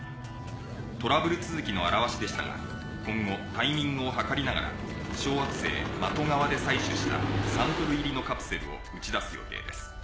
トラブル続きの「あらわし」でしたが今後タイミングを計りながら小惑星マトガワで採取したサンプル入りのカプセルを打ち出す予定です。